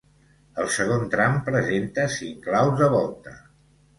El segon tram presenta cinc claus de volta.